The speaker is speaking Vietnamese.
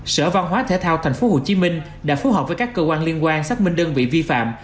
sở văn hóa thể thao tp hcm đã phối hợp với các cơ quan liên quan xác minh đơn vị vi phạm